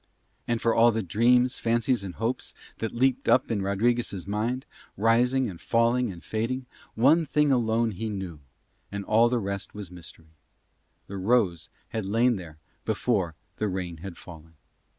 And for all the dreams, fancies, and hopes that leaped up in Rodriguez' mind, rising and falling and fading, one thing alone he knew and all the rest was mystery: the rose had lain there before the rain had fallen.